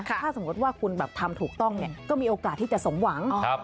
ถ้าสมมติว่าคุณแบบทำถูกต้องก็มีโอกาสที่จะสมหวัง